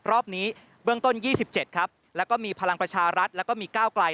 รอบนี้เบื้องต้น๒๗ครับแล้วก็มีพลังประชารัฐแล้วก็มีก้าวไกล